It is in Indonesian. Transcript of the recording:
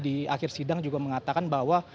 di akhir sidang juga mengatakan bahwa